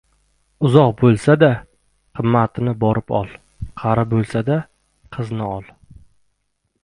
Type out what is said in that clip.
• Uzoq bo‘lsa-da qimmatini borib ol, qari bo‘lsa-da qizni ol.